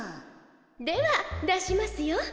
では出しますよ。